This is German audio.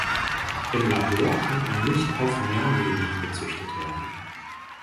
Im Labor kann er nicht auf Nährmedien gezüchtet werden.